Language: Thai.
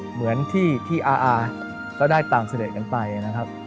เหมือนที่ออได้ตามเสด็จกันไป